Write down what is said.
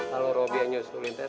kalau robianya sulitin